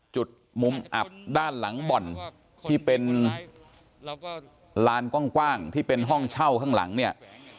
จุดมุมอับด้านหลังบ่อนที่เป็นลานกว้างที่เป็นห้องเช่าข้างหลังเนี่ย